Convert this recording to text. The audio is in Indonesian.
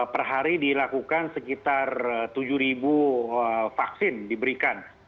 perhari dilakukan sekitar tujuh ribu vaksin diberikan